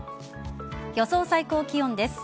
予想最高気温です。